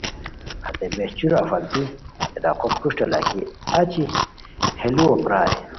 ہتے بہچیرو اف التی ہتے ڈاقو پروشٹہ لاکھی، اچی ہے لوؤ پرائے